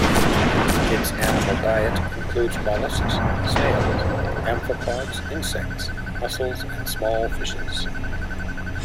Its animal diet includes mollusks, snails, amphipods, insects, mussels and small fishes.